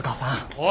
おい。